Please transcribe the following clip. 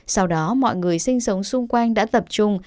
sau đó mọi người sinh sống xung quanh đã tập trung